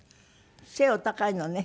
背お高いのね。